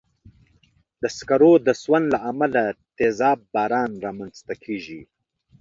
د سکرو د سون له امله تېزاب باران رامنځته کېږي.